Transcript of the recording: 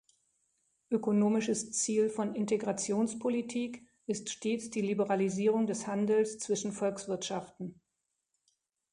Ökonomisches Ziel von Integrationspolitik ist stets die Liberalisierung des Handels zwischen Volkswirtschaften.